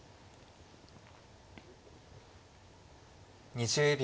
２０秒。